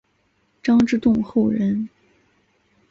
张之洞后人。